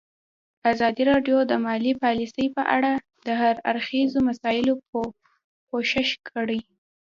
ازادي راډیو د مالي پالیسي په اړه د هر اړخیزو مسایلو پوښښ کړی.